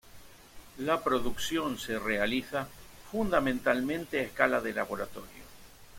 La producción se realiza fundamentalmente a escala de laboratorio.